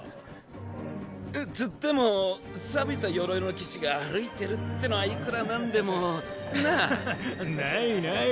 つってもびた鎧の騎士が歩いてるってのはいくらなんでも。なあ？はははっないない。